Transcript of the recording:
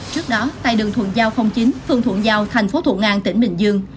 trước đó tại đường thuận giao chín phường thuận giao thành phố thuận an tỉnh bình dương